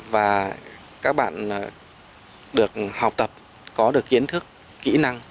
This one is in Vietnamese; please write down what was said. và các bạn được học tập có được kiến thức kỹ năng